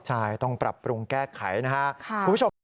ใช่ต้องปรับปรุงแก้ไขนะคะ